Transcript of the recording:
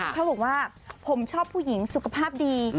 เขาบอกว่าผมชอบผู้หญิงสุขภาพดี